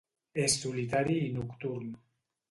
És solitari i nocturn.